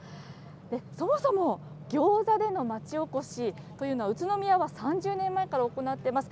そもそも、ギョーザでの町おこしというのは、宇都宮が３０年前から行っています。